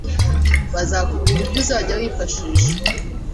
bazakubwira ibyo uzajya wifashisha